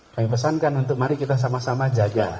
kami pesankan untuk mari kita sama sama jaga